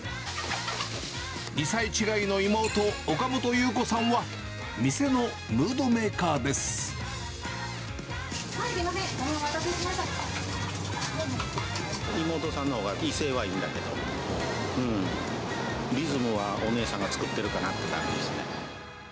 ２歳違いの妹、岡本ゆう子さんは、はい、すみません、お待たせ妹さんのほうが威勢はいいんだけど、リズムはお姉さんが作ってるかなって感じですね。